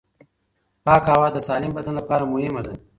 پاکه هوا د سالم بدن لپاره مهمه ده.